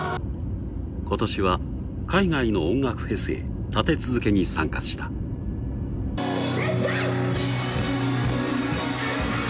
今年は海外の音楽フェスへ立て続けに参加したレッツゴー！